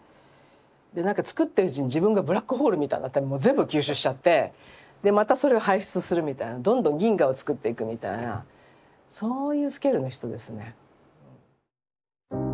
でなんかつくってるうちに自分がブラックホールみたいになってもう全部吸収しちゃってまたそれを排出するみたいなどんどん銀河をつくっていくみたいなそういうスケールの人ですね。